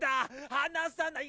離さない！